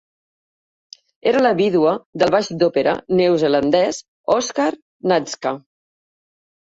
Era la vídua del baix d'òpera neozelandès Oscar Natzka.